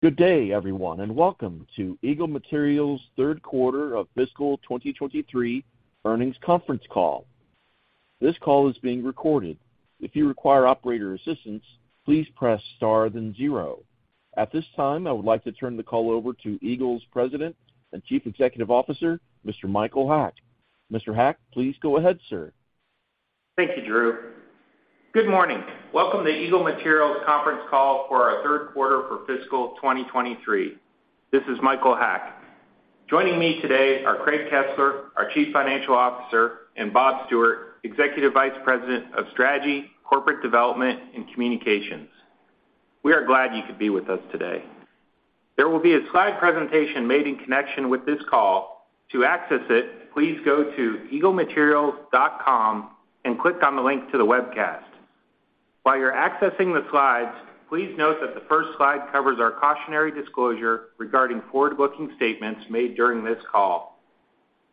Good day, everyone, and welcome to Eagle Materials third quarter of fiscal 2023 earnings conference call. This call is being recorded. If you require operator assistance, please press star then zero. At this time, I would like to turn the call over to Eagle's President and Chief Executive Officer, Mr. Michael Haack. Mr. Haack, please go ahead, sir. Thank you, Drew. Good morning. Welcome to Eagle Materials conference call for our third quarter for fiscal 2023. This is Michael Haack. Joining me today are Craig Kesler, our Chief Financial Officer, and Bob Stewart, Executive Vice President of Strategy, Corporate Development, and Communications. We are glad you could be with us today. There will be a slide presentation made in connection with this call. To access it, please go to eaglematerials.com and click on the link to the webcast. While you're accessing the slides, please note that the first slide covers our cautionary disclosure regarding forward-looking statements made during this call.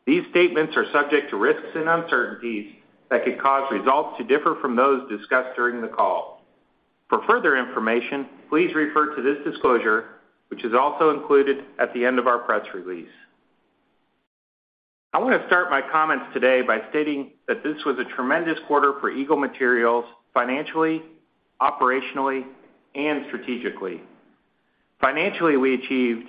These statements are subject to risks and uncertainties that could cause results to differ from those discussed during the call. For further information, please refer to this disclosure, which is also included at the end of our press release. I wanna start my comments today by stating that this was a tremendous quarter for Eagle Materials financially, operationally and strategically. Financially, we achieved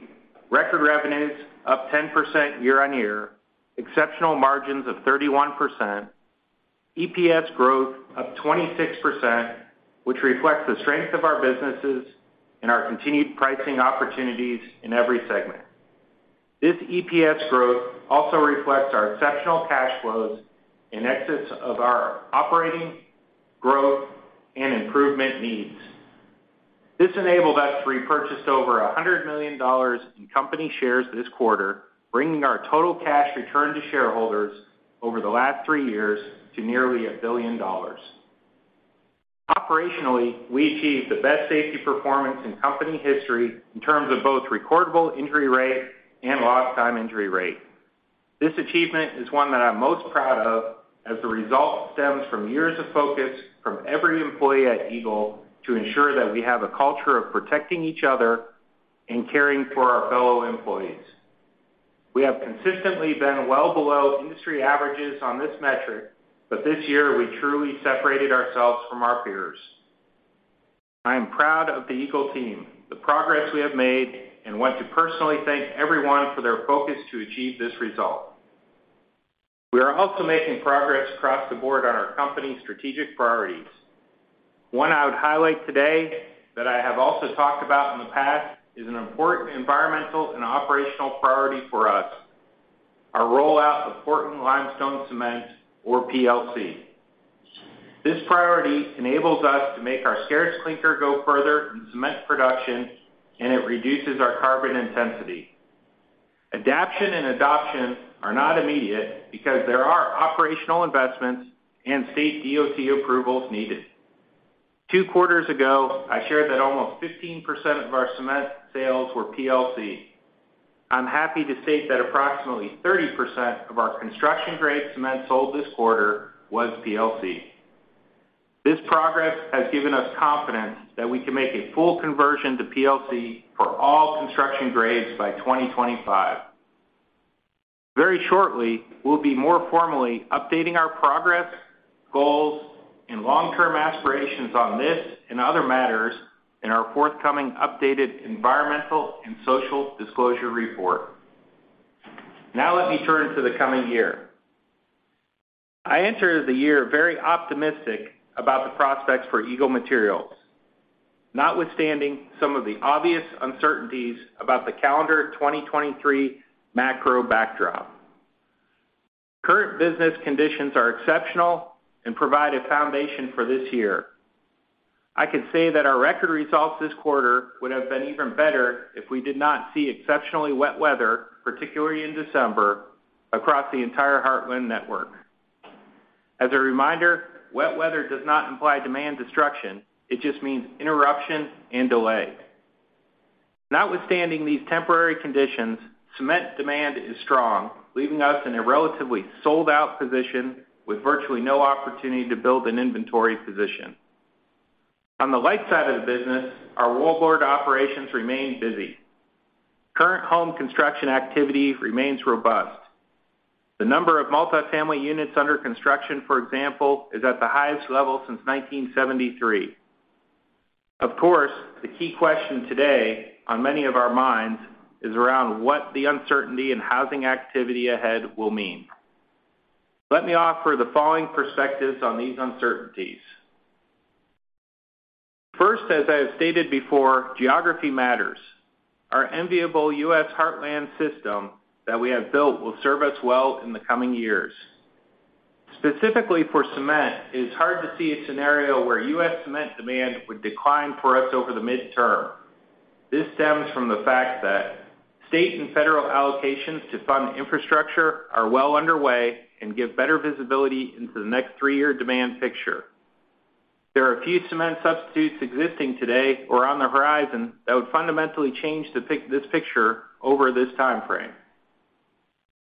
record revenues up 10% year-on-year, exceptional margins of 31%, EPS growth of 26%, which reflects the strength of our businesses and our continued pricing opportunities in every segment. This EPS growth also reflects our exceptional cash flows in exits of our operating, growth, and improvement needs. This enabled us to repurchase over $100 million in company shares this quarter, bringing our total cash return to shareholders over the last three years to nearly $1 billion. Operationally, we achieved the best safety performance in company history in terms of both recordable injury rate and lost time injury rate. This achievement is one that I'm most proud of as the result stems from years of focus from every employee at Eagle to ensure that we have a culture of protecting each other and caring for our fellow employees. We have consistently been well below industry averages on this metric, but this year we truly separated ourselves from our peers. I am proud of the Eagle team, the progress we have made, and want to personally thank everyone for their focus to achieve this result. We are also making progress across the board on our company's strategic priorities. One I would highlight today that I have also talked about in the past is an important environmental and operational priority for us, our rollout of Portland Limestone Cement or PLC. This priority enables us to make our scarce clinker go further in cement production, and it reduces our carbon intensity. Adaption and adoption are not immediate because there are operational investments and state DOT approvals needed. two quarters ago, I shared that almost 15% of our cement sales were PLC. I'm happy to state that approximately 30% of our construction-grade cement sold this quarter was PLC. This progress has given us confidence that we can make a full conversion to PLC for all construction grades by 2025. Very shortly, we'll be more formally updating our progress, goals, and long-term aspirations on this and other matters in our forthcoming updated environmental and social disclosure report. Let me turn to the coming year. I enter the year very optimistic about the prospects for Eagle Materials, notwithstanding some of the obvious uncertainties about the calendar 2023 macro backdrop. Current business conditions are exceptional and provide a foundation for this year. I can say that our record results this quarter would have been even better if we did not see exceptionally wet weather, particularly in December, across the entire Heartland network. As a reminder, wet weather does not imply demand destruction. It just means interruption and delay. Notwithstanding these temporary conditions, cement demand is strong, leaving us in a relatively sold-out position with virtually no opportunity to build an inventory position. On the light side of the business, our wall board operations remain busy. Current home construction activity remains robust. The number of multi-family units under construction, for example, is at the highest level since 1973. Of course, the key question today on many of our minds is around what the uncertainty in housing activity ahead will mean. Let me offer the following perspectives on these uncertainties. First, as I have stated before, geography matters. Our enviable U.S. Heartland system that we have built will serve us well in the coming years. Specifically for cement, it is hard to see a scenario where U.S. cement demand would decline for us over the midterm. This stems from the fact that state and federal allocations to fund infrastructure are well underway and give better visibility into the next three-year demand picture. There are a few cement substitutes existing today or on the horizon that would fundamentally change this picture over this timeframe.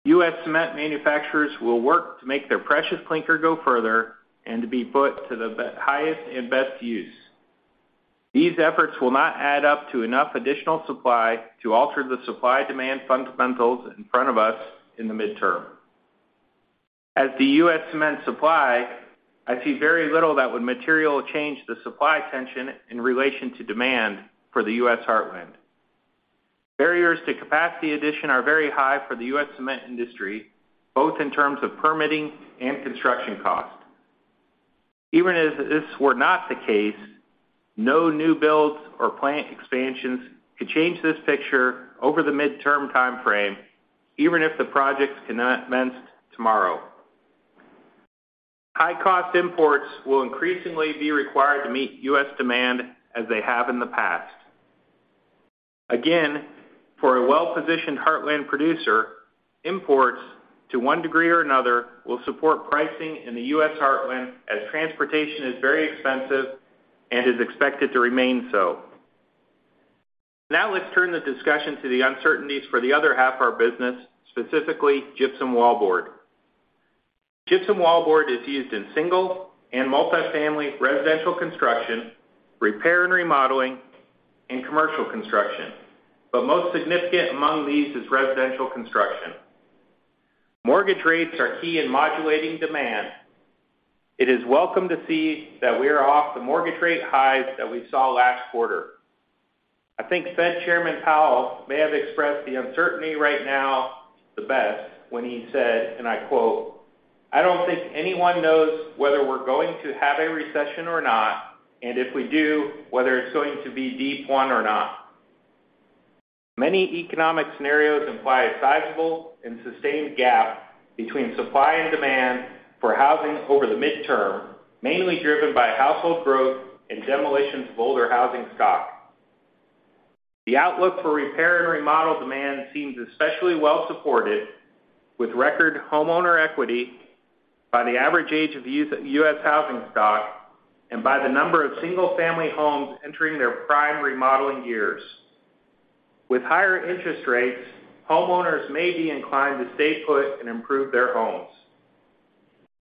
U.S. cement manufacturers will work to make their precious clinker go further and to be put to the highest and best use. These efforts will not add up to enough additional supply to alter the supply-demand fundamentals in front of us in the midterm. As the U.S. cement supply, I see very little that would materially change the supply tension in relation to demand for the U.S. Heartland. Barriers to capacity addition are very high for the U.S. cement industry, both in terms of permitting and construction cost. Even if this were not the case, no new builds or plant expansions could change this picture over the midterm time frame, even if the projects commenced tomorrow. High cost imports will increasingly be required to meet U.S. demand, as they have in the past. Again, for a well-positioned Heartland producer, imports, to one degree or another, will support pricing in the U.S. Heartland, as transportation is very expensive and is expected to remain so. Now let's turn the discussion to the uncertainties for the other half of our business, specifically gypsum wallboard. Gypsum wallboard is used in single and multifamily residential construction, repair and remodeling, and commercial construction. Most significant among these is residential construction. Mortgage rates are key in modulating demand. It is welcome to see that we are off the mortgage rate highs that we saw last quarter. I think Fed Chairman Powell may have expressed the uncertainty right now the best when he said, and I quote, "I don't think anyone knows whether we're going to have a recession or not, and if we do, whether it's going to be a deep one or not." Many economic scenarios imply a sizable and sustained gap between supply and demand for housing over the midterm, mainly driven by household growth and demolitions of older housing stock. The outlook for repair and remodel demand seems especially well supported with record homeowner equity by the average age of U.S. housing stock and by the number of single-family homes entering their prime remodeling years. With higher interest rates, homeowners may be inclined to stay put and improve their homes.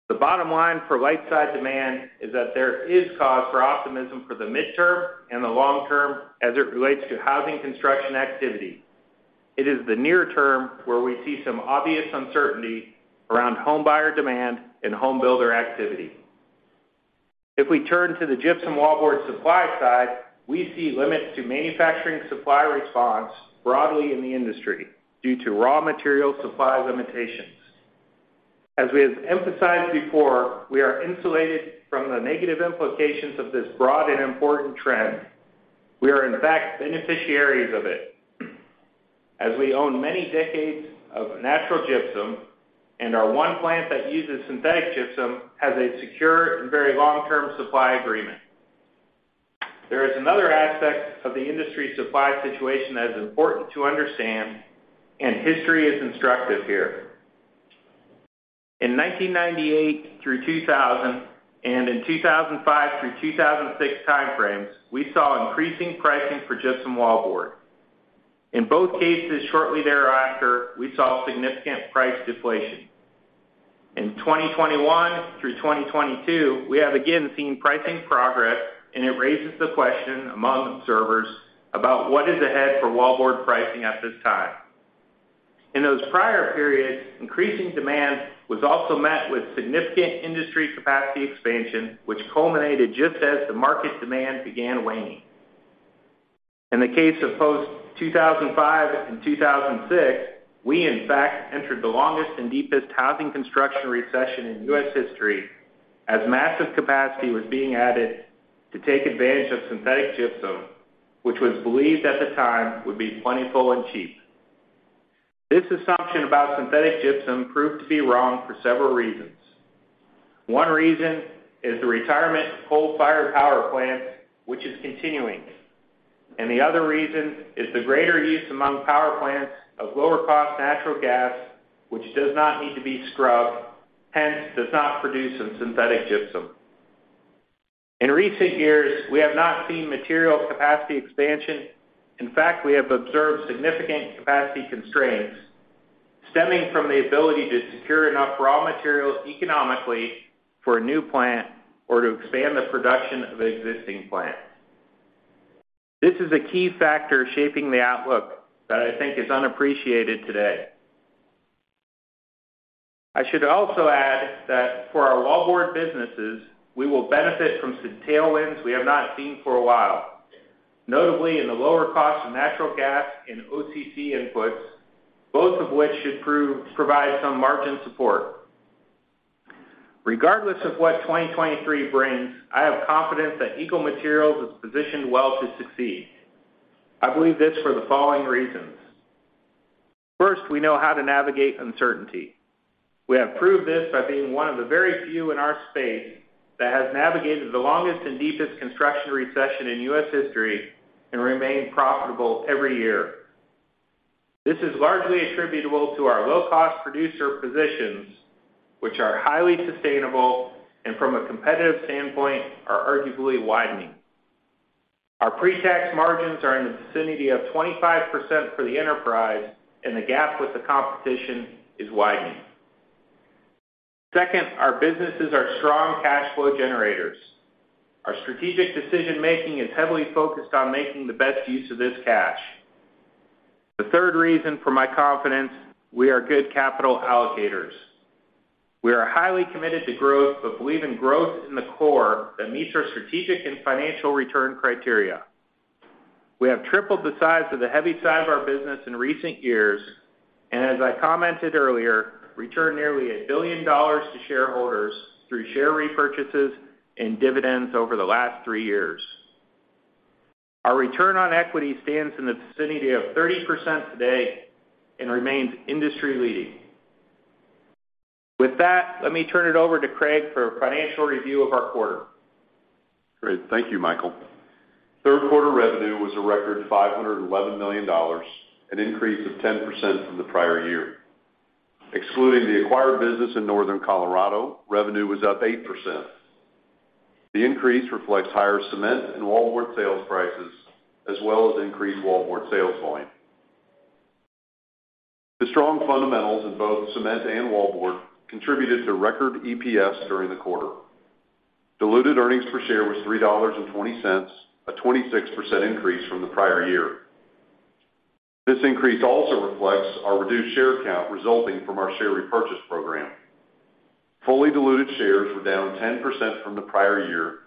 The bottom line for light side demand is that there is cause for optimism for the midterm and the long term as it relates to housing construction activity. It is the near term where we see some obvious uncertainty around home buyer demand and home builder activity. If we turn to the gypsum wallboard supply side, we see limits to manufacturing supply response broadly in the industry due to raw material supply limitations. As we have emphasized before, we are insulated from the negative implications of this broad and important trend. We are in fact beneficiaries of it. As we own many decades of natural gypsum, and our one plant that uses synthetic gypsum has a secure and very long-term supply agreement. There is another aspect of the industry supply situation that is important to understand. History is instructive here. In 1998 through 2000 and in 2005 through 2006 time frames, we saw increasing pricing for gypsum wallboard. In both cases, shortly thereafter, we saw significant price deflation. In 2021 through 2022, we have again seen pricing progress, and it raises the question among observers about what is ahead for wallboard pricing at this time. In those prior periods, increasing demand was also met with significant industry capacity expansion, which culminated just as the market demand began waning. In the case of post-2005 and 2006, we in fact entered the longest and deepest housing construction recession in U.S. history as massive capacity was being added to take advantage of synthetic gypsum, which was believed at the time would be plentiful and cheap. This assumption about synthetic gypsum proved to be wrong for several reasons. One reason is the retirement of coal-fired power plants, which is continuing, and the other reason is the greater use among power plants of lower-cost natural gas, which does not need to be scrubbed, hence does not produce some synthetic gypsum. In recent years, we have not seen material capacity expansion. In fact, we have observed significant capacity constraints stemming from the ability to secure enough raw materials economically for a new plant or to expand the production of an existing plant. This is a key factor shaping the outlook that I think is unappreciated today. I should also add that for our wallboard businesses, we will benefit from some tailwinds we have not seen for a while, notably in the lower cost of natural gas and OCC inputs, both of which should provide some margin support. Regardless of what 2023 brings, I have confidence that Eagle Materials is positioned well to succeed. I believe this for the following reasons. First, we know how to navigate uncertainty. We have proved this by being one of the very few in our space that has navigated the longest and deepest construction recession in U.S. history and remained profitable every year. This is largely attributable to our low-cost producer positions, which are highly sustainable and from a competitive standpoint are arguably widening. Our pre-tax margins are in the vicinity of 25% for the enterprise, and the gap with the competition is widening. Second, our businesses are strong cash flow generators. Our strategic decision-making is heavily focused on making the best use of this cash. The third reason for my confidence, we are good capital allocators. We are highly committed to growth, but believe in growth in the core that meets our strategic and financial return criteria. We have tripled the size of the heavy side of our business in recent years, and as I commented earlier, returned nearly $1 billion to shareholders through share repurchases and dividends over the last three years. Our return on equity stands in the vicinity of 30% today and remains industry-leading. With that, let me turn it over to Craig for a financial review of our quarter. Great. Thank you, Michael. Third quarter revenue was a record $511 million, an increase of 10% from the prior year. Excluding the acquired business in northern Colorado, revenue was up 8%. The increase reflects higher cement and wallboard sales prices as well as increased wallboard sales volume. The strong fundamentals in both cement and wallboard contributed to record EPS during the quarter. Diluted earnings per share was $3.20, a 26% increase from the prior year. This increase also reflects our reduced share count resulting from our share repurchase program. Fully diluted shares were down 10% from the prior year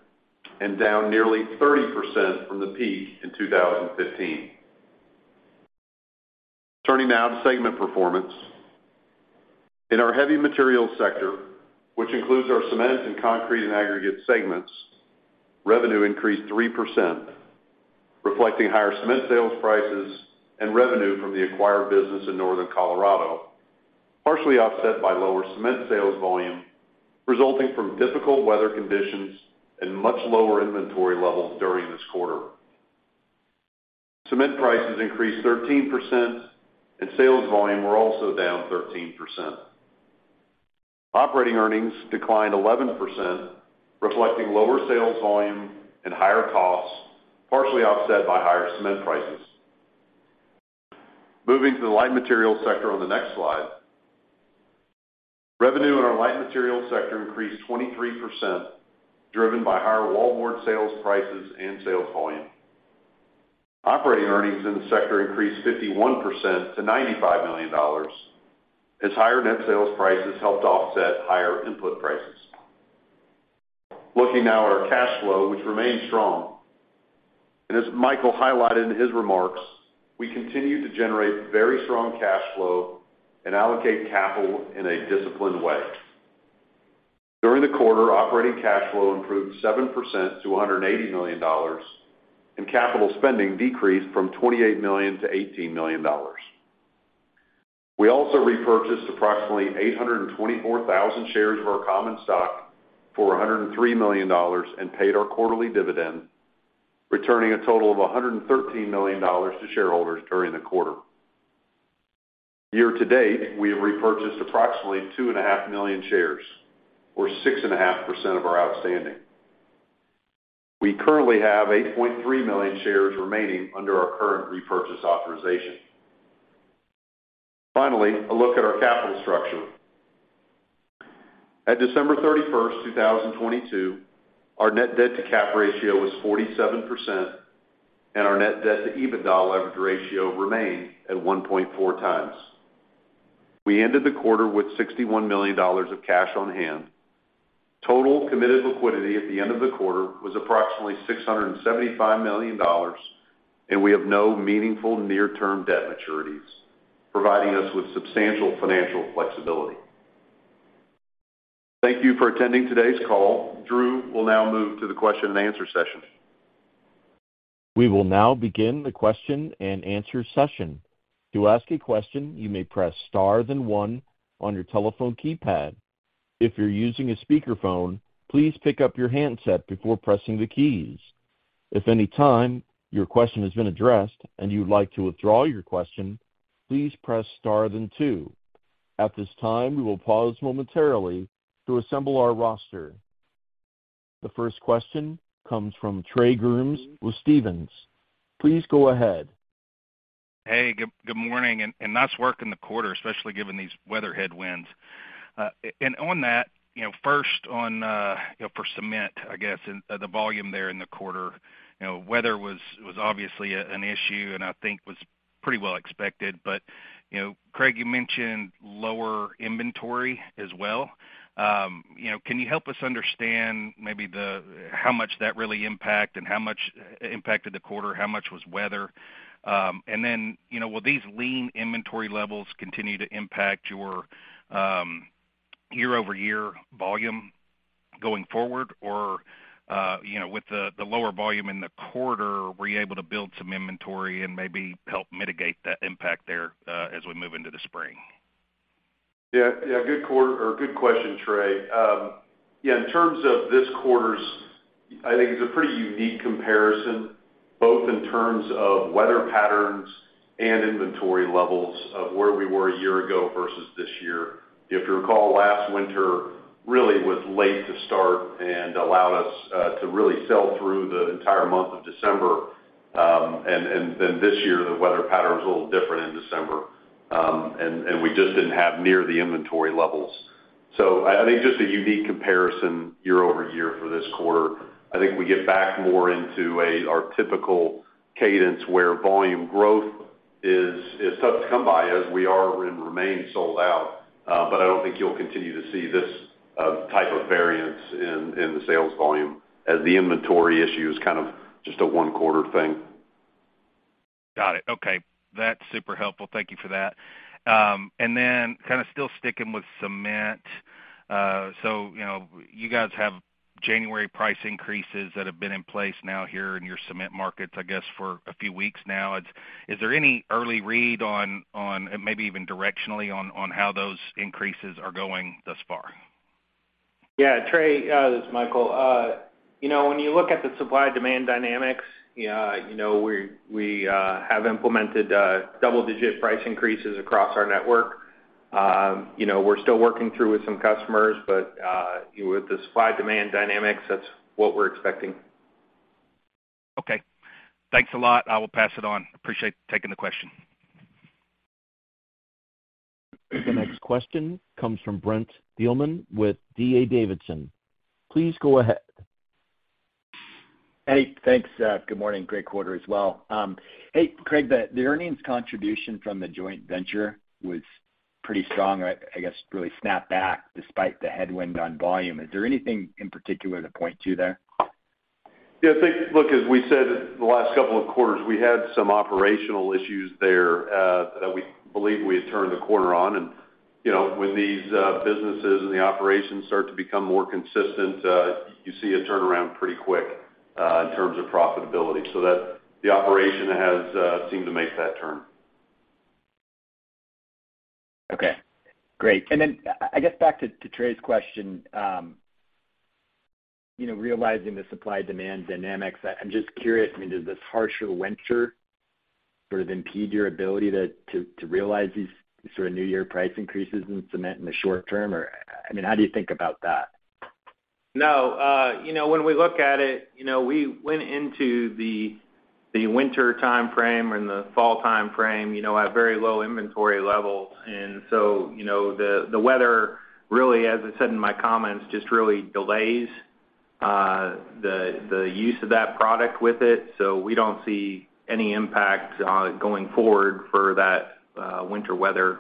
and down nearly 30% from the peak in 2015. Turning now to segment performance. In our heavy materials sector, which includes our cement and concrete and aggregate segments, revenue increased 3%, reflecting higher cement sales prices and revenue from the acquired business in northern Colorado, partially offset by lower cement sales volume, resulting from difficult weather conditions and much lower inventory levels during this quarter. Cement prices increased 13% and sales volume were also down 13%. Operating earnings declined 11%, reflecting lower sales volume and higher costs, partially offset by higher cement prices. Moving to the light materials sector on the next slide. Revenue in our light materials sector increased 23%, driven by higher wallboard sales prices and sales volume. Operating earnings in the sector increased 51% to $95 million as higher net sales prices helped offset higher input prices. Looking now at our cash flow, which remains strong. As Michael highlighted in his remarks, we continue to generate very strong cash flow and allocate capital in a disciplined way. During the quarter, operating cash flow improved 7% to $180 million. Capital spending decreased from $28 million to $18 million. We also repurchased approximately 824,000 shares of our common stock for $103 million. Paid our quarterly dividend, returning a total of $113 million to shareholders during the quarter. Year to date, we have repurchased approximately 2.5 million shares or 6.5% of our outstanding. We currently have 8.3 million shares remaining under our current repurchase authorization. A look at our capital structure. At December 31st, 2022, our net debt-to-capital ratio was 47% and our net debt to EBITDA leverage ratio remained at 1.4 times. We ended the quarter with $61 million of cash on hand. Total committed liquidity at the end of the quarter was approximately $675 million, and we have no meaningful near-term debt maturities, providing us with substantial financial flexibility. Thank you for attending today's call. Drew will now move to the question and answer session. We will now begin the question and answer session. To ask a question, you may press star then one on your telephone keypad. If you're using a speakerphone, please pick up your handset before pressing the keys. If any time your question has been addressed and you would like to withdraw your question, please press star then two. At this time, we will pause momentarily to assemble our roster. The first question comes from Trey Grooms with Stephens. Please go ahead. Hey, good morning. Nice work in the quarter, especially given these weather headwinds. On that, you know, first on, you know, for cement, I guess, and the volume there in the quarter. You know, weather was obviously an issue and I think was pretty well expected. You know, Craig, you mentioned lower inventory as well. You know, can you help us understand how much impacted the quarter? How much was weather? Then, you know, will these lean inventory levels continue to impact your year-over-year volume going forward? Or, you know, with the lower volume in the quarter, were you able to build some inventory and maybe help mitigate that impact there as we move into the spring? Yeah. Good quarter or good question, Trey. Yeah, in terms of this quarter's, I think it's a pretty unique comparison, both in terms of weather patterns and inventory levels of where we were a year ago versus this year. If you recall, last winter really was late to start and allowed us to really sell through the entire month of December. Then this year, the weather pattern was a little different in December. We just didn't have near the inventory levels. I think just a unique comparison year-over-year for this quarter. I think we get back more into our typical cadence where volume growth is tough to come by as we are and remain sold out. I don't think you'll continue to see this type of variance in the sales volume as the inventory issue is kind of just a one quarter thing. Got it. Okay. That's super helpful. Thank you for that. Kinda still sticking with cement. You know, you guys have January price increases that have been in place now here in your cement markets, I guess, for a few weeks now. Is there any early read on, and maybe even directionally, on how those increases are going thus far? Yeah, Trey, this is Michael. You know, when you look at the supply-demand dynamics, you know, we have implemented double-digit price increases across our network. You know, we're still working through with some customers, but with the supply-demand dynamics, that's what we're expecting. Okay. Thanks a lot. I will pass it on. Appreciate taking the question. The next question comes from Brent Thielman with D.A. Davidson. Please go ahead. Hey, thanks. Good morning. Great quarter as well. Hey, Craig, the earnings contribution from the joint venture was pretty strong, I guess, really snapped back despite the headwind on volume. Is there anything in particular to point to there? Yeah, I think, look, as we said the last couple of quarters, we had some operational issues there that we believe we had turned the corner on. You know, when these businesses and the operations start to become more consistent, you see a turnaround pretty quick in terms of profitability. The operation has seemed to make that turn. Okay, great. I guess back to Trey's question, you know, realizing the supply-demand dynamics, I'm just curious, I mean, does this harsher winter sort of impede your ability to realize these sort of new year price increases in cement in the short term? I mean, how do you think about that? No. You know, when we look at it, you know, we went into the winter timeframe and the fall timeframe, you know, at very low inventory levels. You know, the weather really, as I said in my comments, just really delays the use of that product with it. We don't see any impact going forward for that winter weather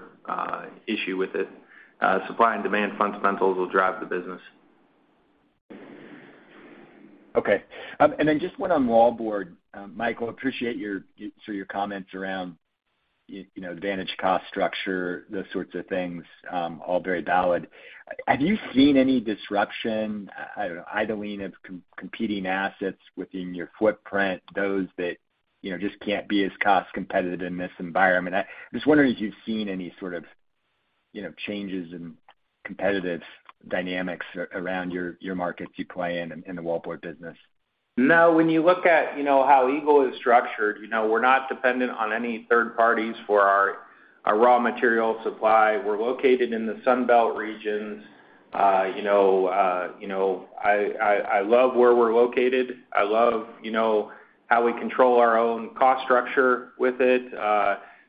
issue with it. Supply and demand fundamentals will drive the business. Just one on wallboard. Michael, appreciate your, sort of, your comments around, you know, advantage cost structure, those sorts of things, all very valid. Have you seen any disruption, I don't know, idling of competing assets within your footprint, those that, you know, just can't be as cost competitive in this environment? I'm just wondering if you've seen any sort of, you know, changes in competitive dynamics around your markets you play in the wallboard business. No. When you look at, you know, how Eagle is structured, you know, we're not dependent on any third parties for our raw material supply. We're located in the Sun Belt regions. you know, I love where we're located. I love, you know, how we control our own cost structure with it.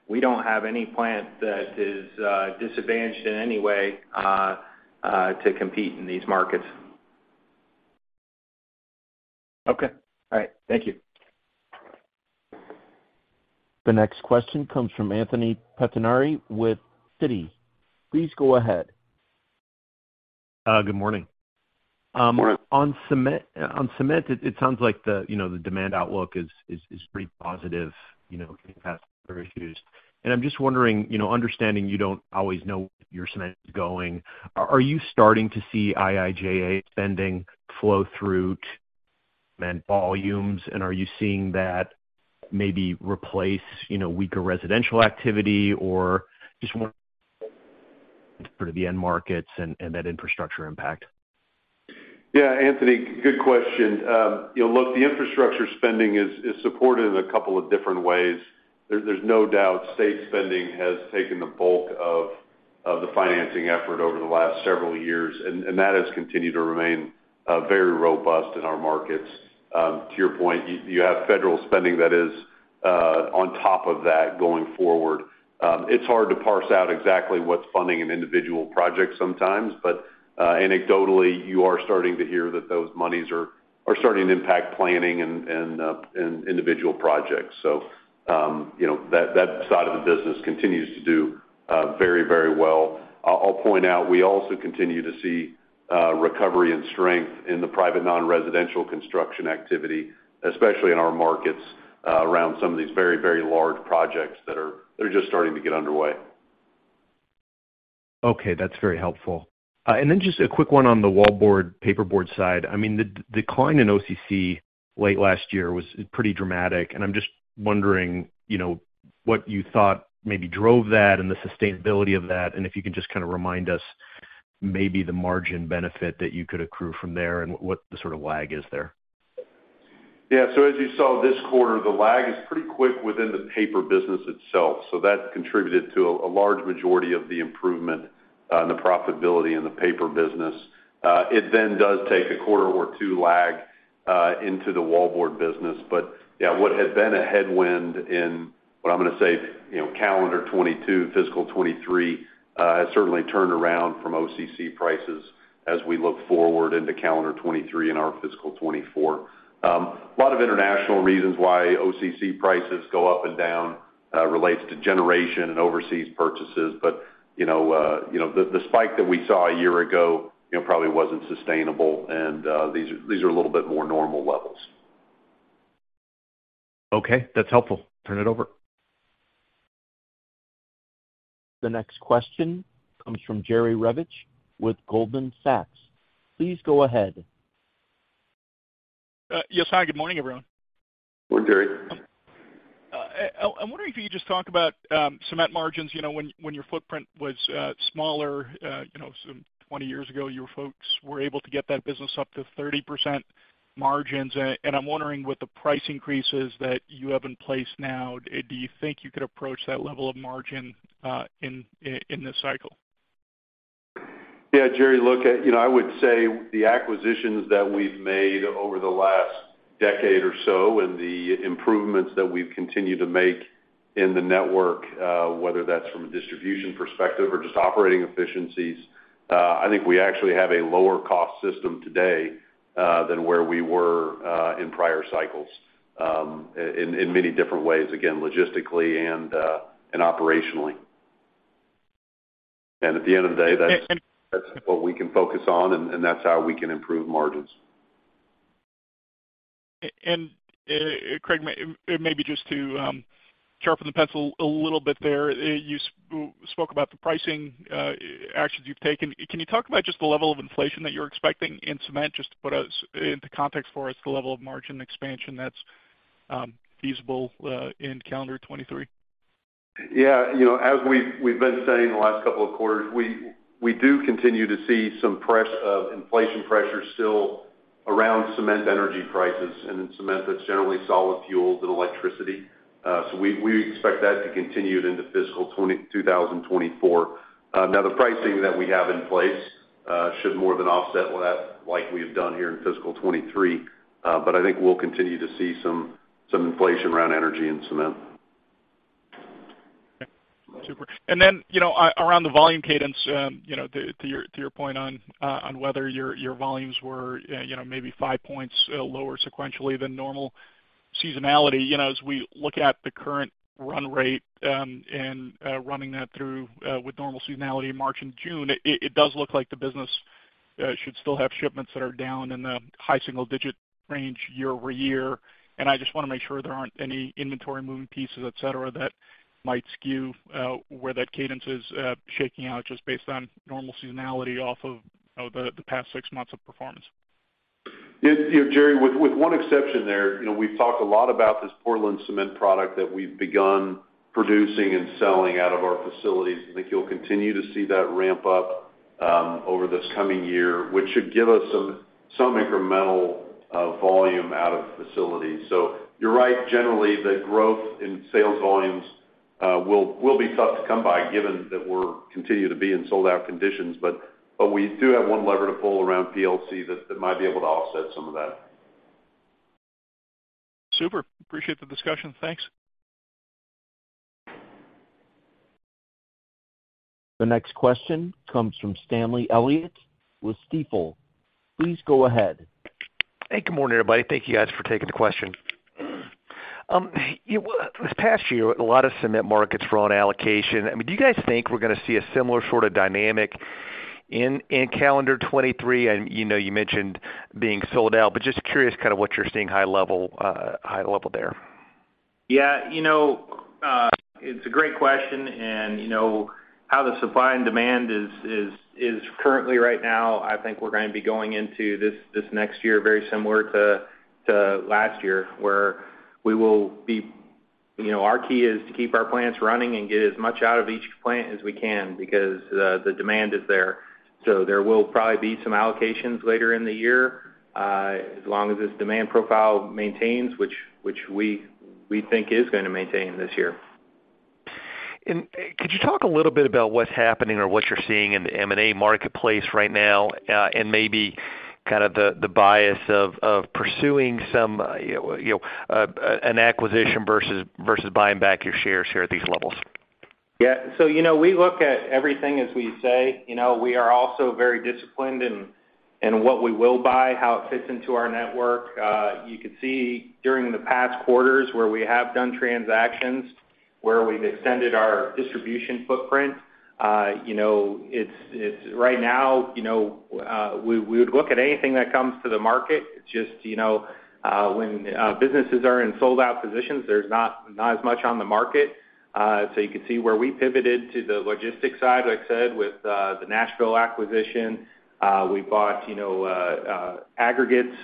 We don't have any plant that is disadvantaged in any way to compete in these markets. Okay. All right. Thank you. The next question comes from Anthony Pettinari with Citi. Please go ahead. Good morning. Good morning. On cement, it sounds like the, you know, the demand outlook is pretty positive, you know, getting past other issues. I'm just wondering, you know, understanding you don't always know where your cement is going, are you starting to see IIJA spending flow through to cement volumes, and are you seeing that maybe replace, you know, weaker residential activity? Just wondering for the end markets and that infrastructure impact. Yeah, Anthony, good question. you know, look, the infrastructure spending is supported in a couple of different ways. There, there's no doubt state spending has taken the bulk of the financing effort over the last several years, and that has continued to remain very robust in our markets. To your point, you have federal spending that is on top of that going forward. It's hard to parse out exactly what's funding an individual project sometimes, but anecdotally, you are starting to hear that those monies are starting to impact planning and individual projects. you know, that side of the business continues to do very well. I'll point out, we also continue to see recovery and strength in the private non-residential construction activity, especially in our markets, around some of these very large projects that are just starting to get underway. Okay, that's very helpful. Then just a quick one on the wallboard, paperboard side. I mean, the decline in OCC late last year was pretty dramatic, and I'm just wondering, you know, what you thought maybe drove that and the sustainability of that, and if you can just kinda remind us maybe the margin benefit that you could accrue from there and what the sort of lag is there? As you saw this quarter, the lag is pretty quick within the paper business itself. That contributed to a large majority of the improvement in the profitability in the paper business. It does take a quarter or two lag into the wallboard business. Yeah, what had been a headwind in what I'm gonna say, you know, calendar 2022, fiscal 2023, has certainly turned around from OCC prices as we look forward into calendar 2023 and our fiscal 2024. A lot of international reasons why OCC prices go up and down relates to generation and overseas purchases. You know, you know, the spike that we saw a year ago, you know, probably wasn't sustainable, and these are a little bit more normal levels. Okay, that's helpful. Turn it over. The next question comes from Jerry Revich with Goldman Sachs. Please go ahead. Yes. Hi, good morning, everyone. Good morning, Jerry. I'm wondering if you could just talk about cement margins. You know, when your footprint was smaller, you know, some 20 years ago, your folks were able to get that business up to 30% margins. I'm wondering, with the price increases that you have in place now, do you think you could approach that level of margin in this cycle? Yeah, Jerry, look, you know, I would say the acquisitions that we've made over the last decade or so and the improvements that we've continued to make in the network, whether that's from a distribution perspective or just operating efficiencies, I think we actually have a lower cost system today, than where we were, in prior cycles, in many different ways, again, logistically and operationally. At the end of the day, that's- And- That's what we can focus on, and that's how we can improve margins. Craig, maybe just to sharpen the pencil a little bit there. You spoke about the pricing actions you've taken. Can you talk about just the level of inflation that you're expecting in cement, just to put us into context for us, the level of margin expansion that's feasible in calendar 2023? You know, as we've been saying the last couple of quarters, we do continue to see some press, inflation pressure still around cement energy prices. In cement, that's generally solid fuels and electricity. We expect that to continue into fiscal 2024. Now the pricing that we have in place should more than offset that like we have done here in fiscal 2023. I think we'll continue to see some inflation around energy and cement. Okay. Super. You know, around the volume cadence, you know, to your point on whether your volumes were, you know, maybe 5 points lower sequentially than normal seasonality. You know, as we look at the current run rate, and running that through with normal seasonality in March and June, it does look like the business should still have shipments that are down in the high single-digit range year-over-year. I just wanna make sure there aren't any inventory moving pieces, et cetera, that might skew where that cadence is shaking out just based on normal seasonality off of, you know, the past six months of performance. Yeah, you know, Jerry, with one exception there, you know, we've talked a lot about this Portland Cement product that we've begun producing and selling out of our facilities. I think you'll continue to see that ramp up over this coming year, which should give us some incremental volume out of facilities. You're right, generally, the growth in sales volumes will be tough to come by given that we're continue to be in sold out conditions. We do have one lever to pull around PLC that might be able to offset some of that. Super. Appreciate the discussion. Thanks. The next question comes from Stanley Elliott with Stifel. Please go ahead. Hey, good morning, everybody. Thank you guys for taking the question. This past year, a lot of cement markets were on allocation. I mean, do you guys think we're gonna see a similar sort of dynamic in calendar 2023? You know, you mentioned being sold out, but just curious kind of what you're seeing high level, high level there. You know, it's a great question. You know, how the supply and demand is currently right now, I think we're gonna be going into this next year very similar to last year, where we will be. You know, our key is to keep our plants running and get as much out of each plant as we can because the demand is there. There will probably be some allocations later in the year, as long as this demand profile maintains, which we think is gonna maintain this year. Could you talk a little bit about what's happening or what you're seeing in the M&A marketplace right now, and maybe kind of the bias of pursuing some, you know, an acquisition versus buying back your shares here at these levels? Yeah. You know, we look at everything as we say. You know, we are also very disciplined in what we will buy, how it fits into our network. You could see during the past quarters where we have done transactions, where we've extended our distribution footprint, you know, it's right now, you know, we would look at anything that comes to the market. It's just, you know, when businesses are in sold out positions, there's not as much on the market. You could see where we pivoted to the logistics side, like I said, with the Nashville acquisition. We bought, you know, aggregates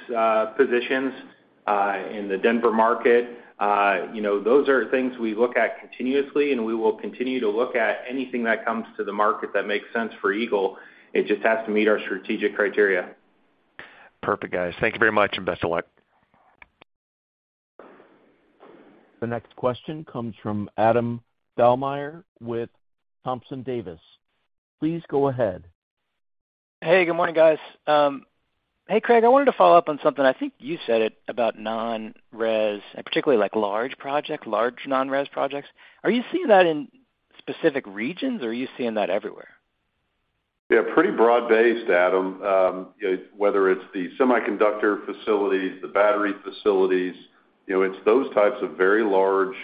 positions in the Denver market. You know, those are things we look at continuously, and we will continue to look at anything that comes to the market that makes sense for Eagle. It just has to meet our strategic criteria. Perfect, guys. Thank you very much, and best of luck. The next question comes from Adam Thalhimer with Thompson Davis & Co. Please go ahead. Hey, good morning, guys. Hey, Craig, I wanted to follow up on something, I think you said it, about non-res, and particularly like large project, large non-res projects. Are you seeing that in specific regions or are you seeing that everywhere? Yeah, pretty broad-based, Adam. You know, whether it's the semiconductor facilities, the battery facilities, you know, it's those types of very large,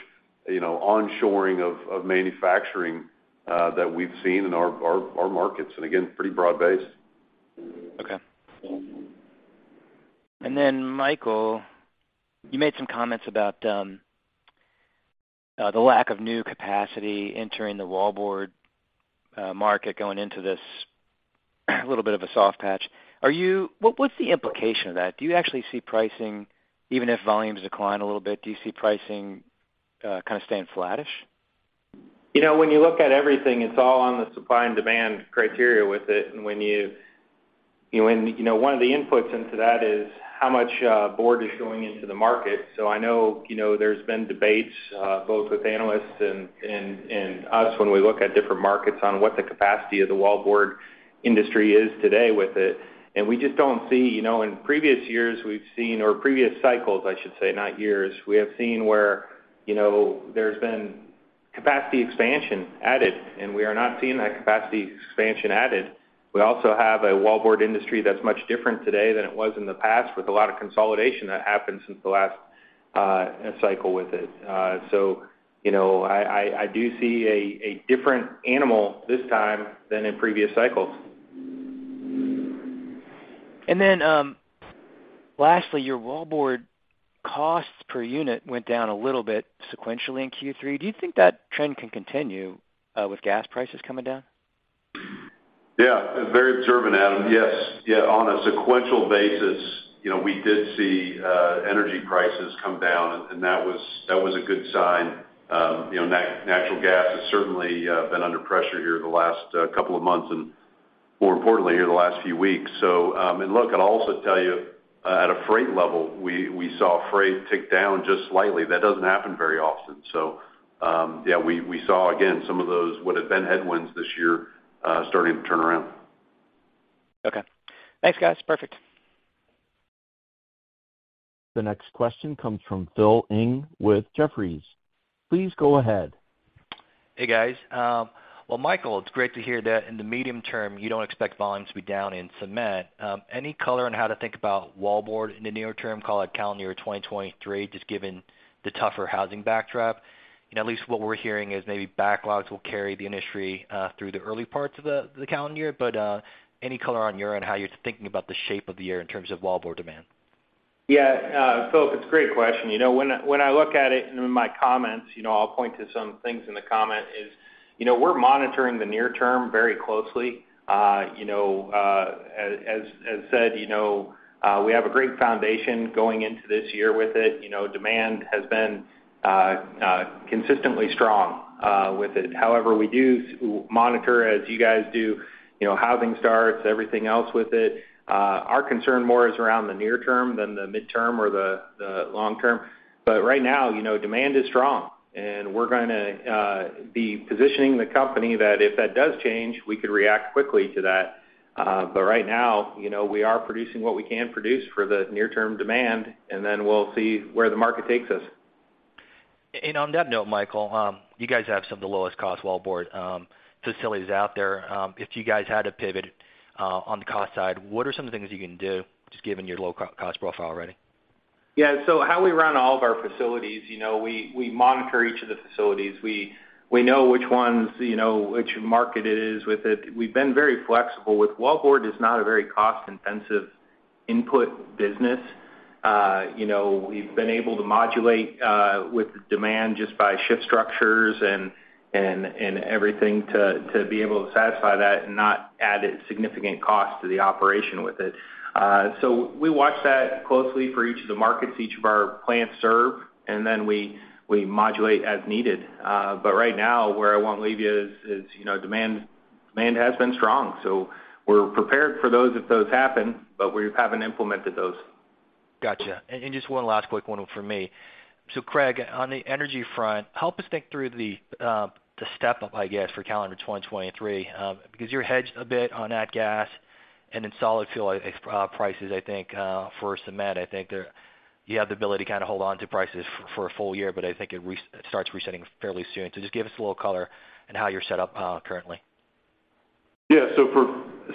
you know, onshoring of manufacturing, that we've seen in our markets, and again, pretty broad-based. Michael, you made some comments about the lack of new capacity entering the wallboard market going into this little bit of a soft patch. What, what's the implication of that? Do you actually see pricing Even if volumes decline a little bit, do you see pricing kind of staying flattish? You know, when you look at everything, it's all on the supply and demand criteria with it. When you know, when, you know, one of the inputs into that is how much board is going into the market. I know, you know, there's been debates both with analysts and us when we look at different markets on what the capacity of the wallboard industry is today with it. We just don't see. You know, in previous years, or previous cycles, I should say, not years, we have seen where, you know, there's been capacity expansion added, and we are not seeing that capacity expansion added. We also have a wallboard industry that's much different today than it was in the past with a lot of consolidation that happened since the last cycle with it. You know, I do see a different animal this time than in previous cycles. Then, lastly, your wallboard costs per unit went down a little bit sequentially in Q3. Do you think that trend can continue with gas prices coming down? Yeah. Very observant, Adam. Yes. Yeah, on a sequential basis, you know, we did see energy prices come down, and that was a good sign. You know, natural gas has certainly been under pressure here the last couple of months, and more importantly, here the last few weeks. Look, I'd also tell you, at a freight level, we saw freight tick down just slightly. That doesn't happen very often. Yeah, we saw again some of those what had been headwinds this year, starting to turn around. Okay. Thanks, guys. Perfect. The next question comes from Philip Ng with Jefferies. Please go ahead. Hey, guys. Well, Michael, it's great to hear that in the medium term, you don't expect volumes to be down in cement. Any color on how to think about wallboard in the near term, call it calendar year 2023, just given the tougher housing backdrop? You know, at least what we're hearing is maybe backlogs will carry the industry through the early parts of the calendar year. Any color on your end, how you're thinking about the shape of the year in terms of wallboard demand? Yeah. Phil, it's a great question. You know, when I look at it in my comments, you know, I'll point to some things in the comment is, you know, we're monitoring the near term very closely. You know, as said, you know, we have a great foundation going into this year with it. You know, demand has been consistently strong with it. However, we do monitor, as you guys do, you know, housing starts, everything else with it. Our concern more is around the near term than the midterm or the long term. Right now, you know, demand is strong, and we're gonna be positioning the company that if that does change, we could react quickly to that. Right now, you know, we are producing what we can produce for the near-term demand, and then we'll see where the market takes us. On that note, Michael, you guys have some of the lowest cost wallboard facilities out there. If you guys had to pivot on the cost side, what are some of the things you can do just given your low cost profile already? How we run all of our facilities, you know, we monitor each of the facilities. We know which ones, you know, which market it is with it. We've been very flexible with wallboard is not a very cost-intensive input business. You know, we've been able to modulate with demand just by shift structures and everything to be able to satisfy that and not add a significant cost to the operation with it. We watch that closely for each of the markets each of our plants serve, and then we modulate as needed. Right now, where I won't leave you is, you know, demand has been strong. We're prepared for those if those happen, but we haven't implemented those. Gotcha. Just one last quick one for me. Craig, on the energy front, help us think through the step up, I guess, for calendar 2023, because you're hedged a bit on nat gas and in solid fuel prices, I think, for cement. I think there you have the ability to kinda hold on to prices for a full year, but I think it starts resetting fairly soon. Just give us a little color on how you're set up currently. Yeah.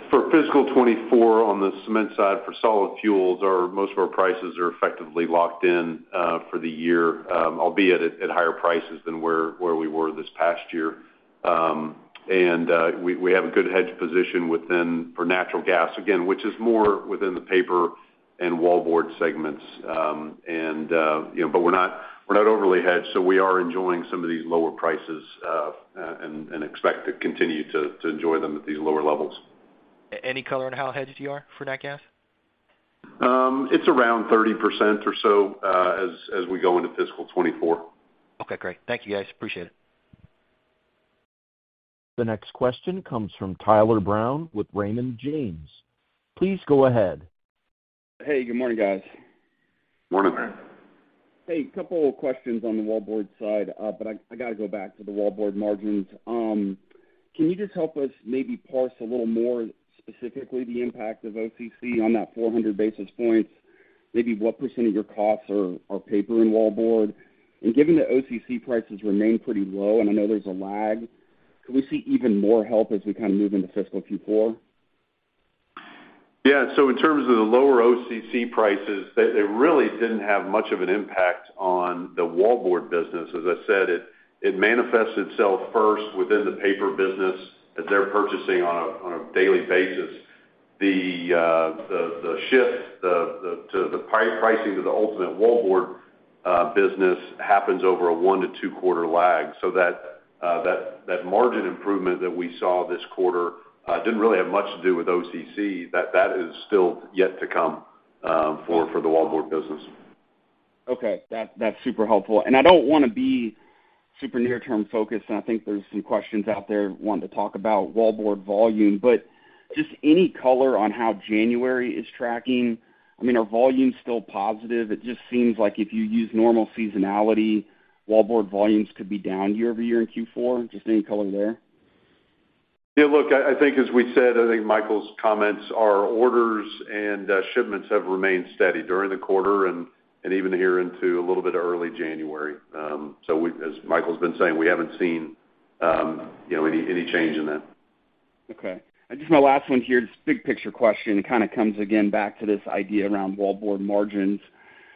For fiscal 2024 on the cement side, for solid fuels, most of our prices are effectively locked in for the year, albeit at higher prices than where we were this past year. We have a good hedge position within for natural gas, again, which is more within the paper and wallboard segments. You know, but we're not overly hedged, so we are enjoying some of these lower prices and expect to continue to enjoy them at these lower levels. Any color on how hedged you are for nat gas? It's around 30% or so, as we go into fiscal 2024. Okay, great. Thank you, guys. Appreciate it. The next question comes from Tyler Brown with Raymond James. Please go ahead. Hey, good morning, guys. Morning. Hey, couple of questions on the wallboard side, but I gotta go back to the wallboard margins. Can you just help us maybe parse a little more specifically the impact of OCC on that 400 basis points, maybe what % of your costs are paper and wallboard? Given the OCC prices remain pretty low, and I know there's a lag, could we see even more help as we kind of move into fiscal Q4? Yeah. In terms of the lower OCC prices, they really didn't have much of an impact on the wallboard business. As I said, it manifests itself first within the paper business as they're purchasing on a daily basis. The shift to the pricing to the ultimate wallboard business happens over a one-two quarter lag. That margin improvement that we saw this quarter didn't really have much to do with OCC. That is still yet to come for the wallboard business. Okay. That's super helpful. I don't wanna be super near-term focused, and I think there's some questions out there wanting to talk about wallboard volume. Just any color on how January is tracking? I mean, are volumes still positive? It just seems like if you use normal seasonality, wallboard volumes could be down year-over-year in Q4. Just any color there? Yeah, look, I think as we said, I think Michael's comments are orders and shipments have remained steady during the quarter and even here into a little bit early January. As Michael's been saying, we haven't seen, you know, any change in that. Okay. Just my last one here, just big picture question. It kind of comes again back to this idea around wallboard margins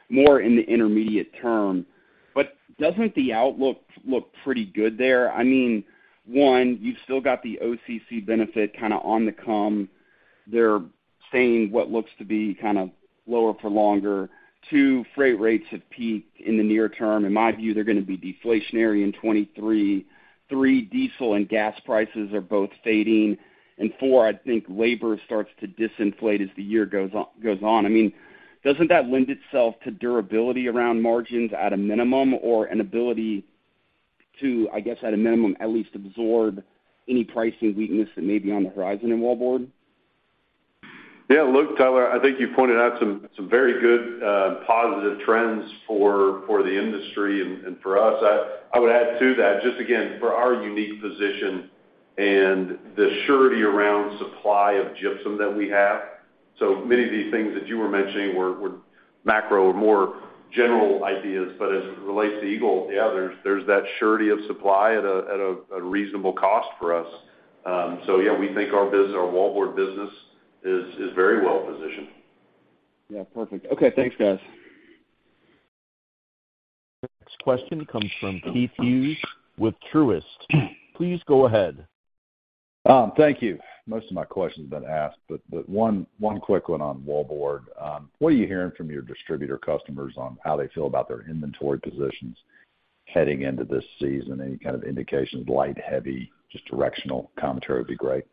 more in the intermediate term. Doesn't the outlook look pretty good there? I mean, one, you've still got the OCC benefit kind of on the come. They're saying what looks to be kind of lower for longer. Two, freight rates have peaked in the near term. In my view, they're gonna be deflationary in 23. Three, diesel and gas prices are both fading. Four, I think labor starts to disinflate as the year goes on. I mean, doesn't that lend itself to durability around margins at a minimum or an ability to, I guess, at a minimum at least absorb any pricing weakness that may be on the horizon in wallboard? Yeah, look, Tyler, I think you pointed out some very good positive trends for the industry and for us. I would add to that, just again, for our unique position and the surety around supply of gypsum that we have. Many of these things that you were mentioning were macro or more general ideas. As it relates to Eagle, yeah, there's that surety of supply at a reasonable cost for us. Yeah, we think our wallboard business is very well positioned. Yeah, perfect. Okay, thanks guys. Next question comes from Keith Hughes with Truist. Please go ahead. Thank you. Most of my question's been asked. One quick one on wallboard. What are you hearing from your distributor customers on how they feel about their inventory positions heading into this season? Any kind of indications, light, heavy, just directional commentary would be great.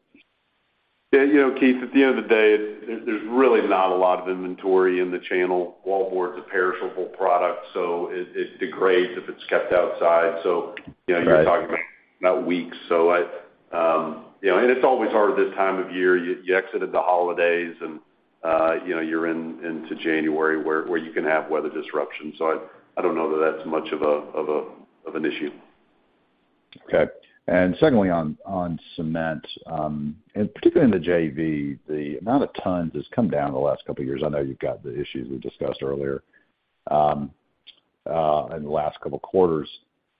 You know, Keith, at the end of the day, there's really not a lot of inventory in the channel. Wallboard's a perishable product, so it degrades if it's kept outside. So, you know. You're talking about weeks. I, you know. It's always hard this time of year. You exited the holidays and, you know, into January, where you can have weather disruptions. I don't know that that's much of an issue. Okay. Secondly, on cement, and particularly in the JV, the amount of tons has come down the last couple of years. I know you've got the issues we discussed earlier, in the last couple of quarters.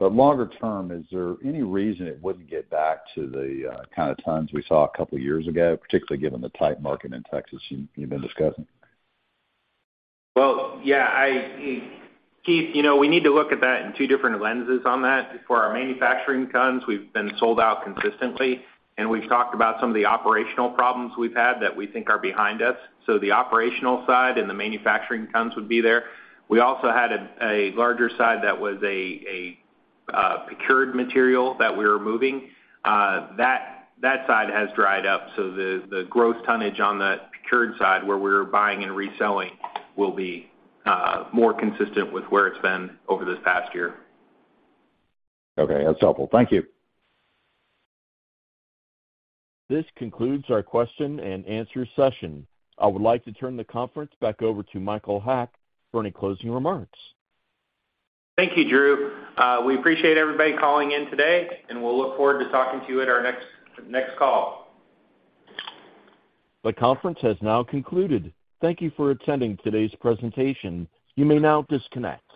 Longer term, is there any reason it wouldn't get back to the kind of tons we saw a couple years ago, particularly given the tight market in Texas you've been discussing? Well, yeah, Keith, you know, we need to look at that in two different lenses on that. For our manufacturing tons, we've been sold out consistently, and we've talked about some of the operational problems we've had that we think are behind us. The operational side and the manufacturing tons would be there. We also had a larger side that was a procured material that we were moving. That side has dried up, so the growth tonnage on the procured side where we were buying and reselling will be more consistent with where it's been over this past year. Okay, that's helpful. Thank you. This concludes our question and answer session. I would like to turn the conference back over to Michael Haack for any closing remarks. Thank you, Drew. We appreciate everybody calling in today, and we'll look forward to talking to you at our next call. The conference has now concluded. Thank you for attending today's presentation. You may now disconnect.